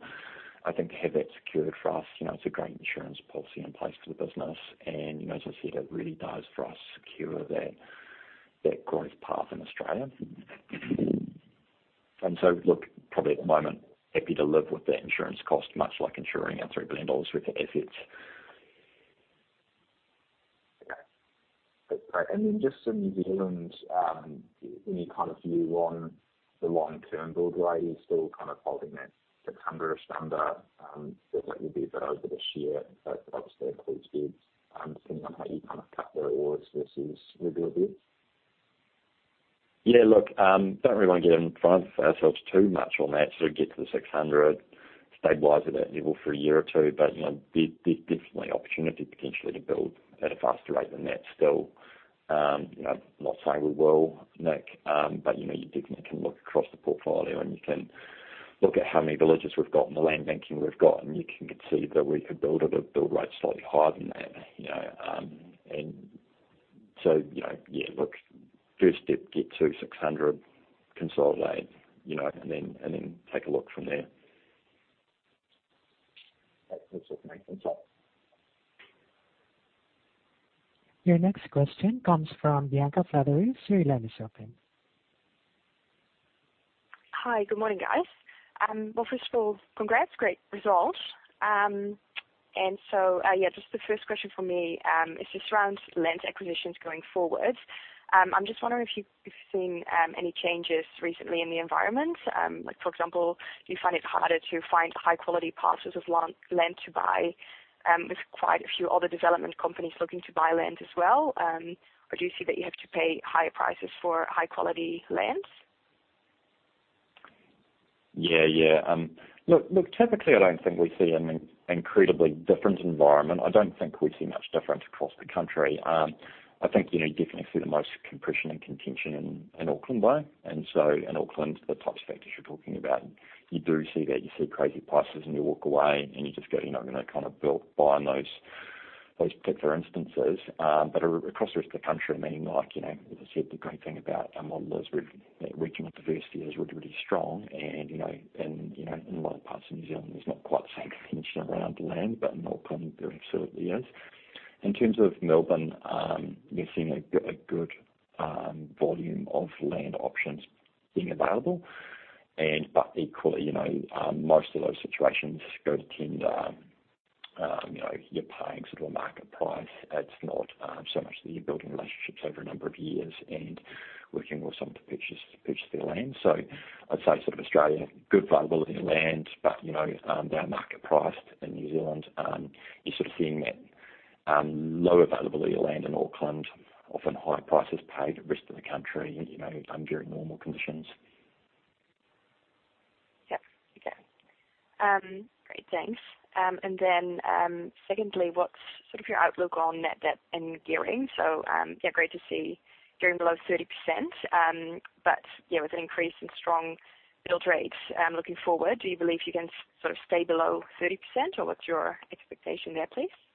I think to have that secured for us, it's a great insurance policy in place for the business. As I said, it really does for us secure that growth path in Australia. Look, probably at the moment, happy to live with that insurance cost, much like insuring our 3 billion dollars worth of assets. Okay. Just in New Zealand, any kind of view on the long-term build rate? You're still kind of holding that 600 [target]. Does that review for over this year, obviously include beds, depending on how you kind of cut the [villas versus care beds]? Yeah, look, don't really want to get in front of ourselves too much on that, sort of get to the 600. Stabilize at that level for a year or two. There's definitely opportunity potentially to build at a faster rate than that still. I'm not saying we will, Nick, but you definitely can look across the portfolio and you can look at how many villages we've got and the land banking we've got, and you can concede that we could build at a build rate slightly higher than that. First step, get to 600, consolidate, and then take a look from there. That's it from my end. Thanks. Your next question comes from Bianca Fledder of UBS. Hi. Good morning, guys. Well, first of all, congrats. Great result. Yeah, just the first question from me is just around land acquisitions going forward. I'm just wondering if you've seen any changes recently in the environment. Like, for example, do you find it harder to find high-quality parcels of land to buy with quite a few other development companies looking to buy land as well? Do you see that you have to pay higher prices for high-quality lands? Typically, I don't think we see an incredibly different environment. I don't think we see much difference across the country. I think you definitely see the most compression and contention in Auckland, though. In Auckland, the types of factors you're talking about, you do see that. You see crazy prices, and you walk away, and you just go, "I'm not going to buy in those particular instances." Across the rest of the country, meaning like, as I said, the great thing about our model is regional diversity is really, really strong. In a lot of parts of New Zealand, there's not quite the same contention around land, but in Auckland, there absolutely is. In terms of Melbourne, we're seeing a good volume of land options being available. Equally, most of those situations go to tender. You're paying sort of a market price. It's not so much that you're building relationships over a number of years and working with someone to purchase their land. I'd say Australia, good availability of land, but they are market priced. In New Zealand, you're sort of seeing that low availability of land in Auckland, often high prices paid, rest of the country under your normal conditions. Yep. Okay. Great. Thanks. Secondly, what's sort of your outlook on net debt and gearing? Yeah, great to see gearing below 30%, but with an increase in strong build rates looking forward, do you believe you can sort of stay below 30%, or what's your expectation there, please? Look,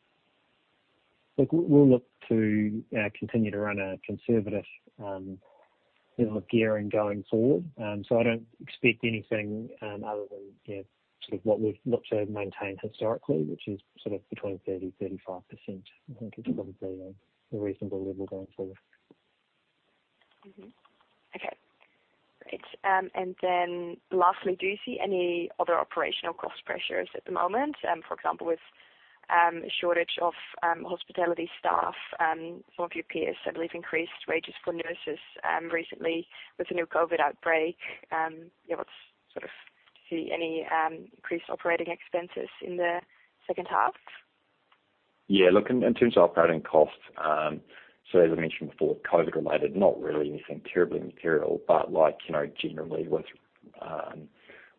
we'll look to continue to run a conservative level of gearing going forward. I don't expect anything other than what we've looked to maintain historically, which is sort of between 30% and 35%. I think it's probably a reasonable level going forward. Okay. Great. Lastly, do you see any other operational cost pressures at the moment? For example, with a shortage of hospitality staff. Some of your peers, I believe, increased wages for nurses recently with the new COVID outbreak. Do you see any increased operating expenses in the second half? In terms of operating costs, as I mentioned before, COVID-related, not really anything terribly material, but generally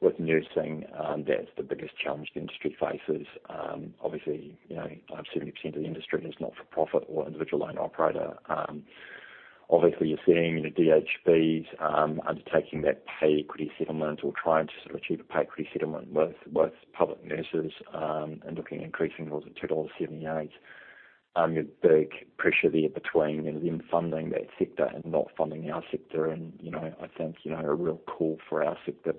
with nursing, that's the biggest challenge the industry faces. Obviously, 70% of the industry is not-for-profit or individual owner operator. Obviously, you're seeing the DHBs undertaking that pay equity settlement or trying to achieve a pay equity settlement with public nurses and looking at increasing those to NZD 2.78. A big pressure there between them funding that sector and not funding our sector, and I think a real call for our sector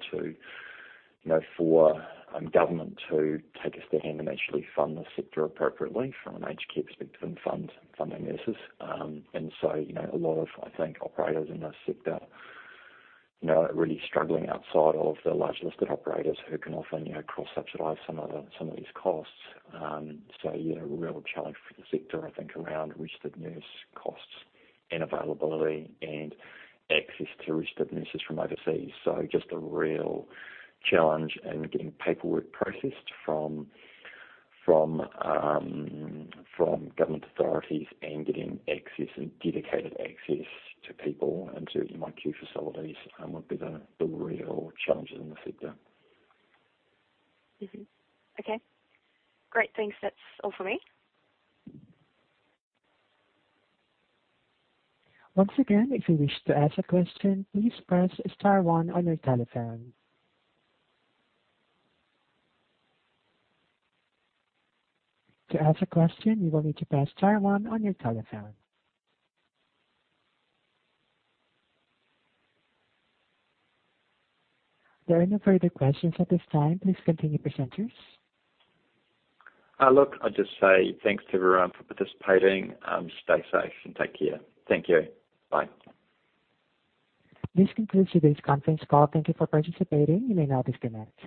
too, for government to take a stand and actually fund the sector appropriately from an aged care perspective and fund their nurses. A lot of, I think, operators in that sector are really struggling outside of the large listed operators who can often cross-subsidize some of these costs. A real challenge for the sector, I think, around registered nurse costs and availability and access to registered nurses from overseas. Just a real challenge in getting paperwork processed from government authorities and getting dedicated access to people and to MIQ facilities would be the real challenges in the sector. Okay. Great. Thanks. That's all for me. Once again, if you wish to ask a question, please press star one on your telephone. To ask a question, you will need to press star one on your telephone. There are no further questions at this time. Please continue, presenters. Look, I'll just say thanks to everyone for participating. Stay safe and take care. Thank you. Bye. This concludes today's conference call. Thank you for participating. You may now disconnect.